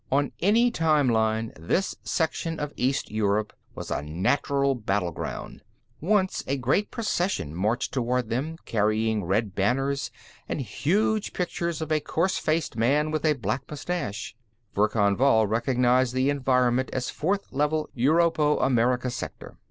On any time line, this section of East Europe was a natural battleground. Once a great procession marched toward them, carrying red banners and huge pictures of a coarse faced man with a black mustache Verkan Vall recognized the environment as Fourth Level Europo American Sector.